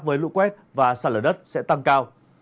với lũ quét và sạt lở đất sẽ tăng cao